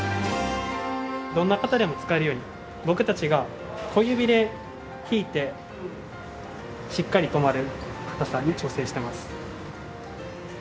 どんな方でも使えるように僕たちが小指で引いてしっかり止まるかたさに調整してます。